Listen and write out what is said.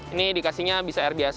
ini dikasihnya bisa air biasa